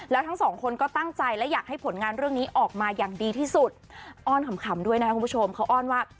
แล้วทั้งสองคนก็ตั้งใจและอยากให้ผลงานเรื่องนี้ออกมาอย่างดีที่สุดอ้อนขำด้วยนะครับคุณผู้ชมเขาอ้อนว่า